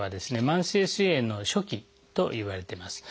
慢性すい炎の初期といわれています。